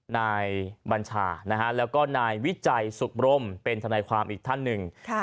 นายบัญชานะฮะแล้วก็นายวิจัยสุขบรมเป็นทนายความอีกท่านหนึ่ง